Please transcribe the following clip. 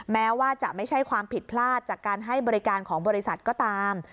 แม้ว่าจะไม่ใช่ความผิดพลาดจากการให้บริการของบริษัทก็ตาม